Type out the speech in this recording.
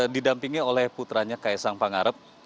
didampingi oleh putranya ks angpangarep